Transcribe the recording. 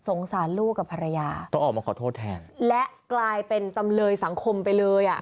สารลูกกับภรรยาต้องออกมาขอโทษแทนและกลายเป็นจำเลยสังคมไปเลยอ่ะ